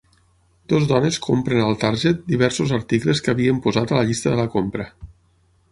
Dos dones compren al Target diversos articles que havien posat a la llista de la compra.